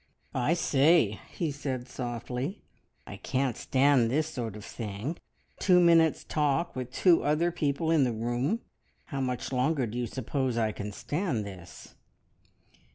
"I say," he said softly, "I can't stand this sort of thing! Two minutes' talk, with two other people in the room. How much longer do you suppose I can stand this?"